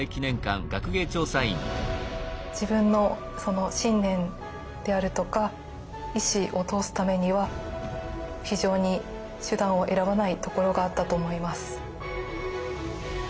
自分の信念であるとか意志を通すためには非常に手段を選ばないところがあったと思います。